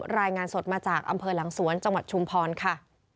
รายงานสดมาจากอำเภอหลังสวนจังหวัดชุมพรค่ะ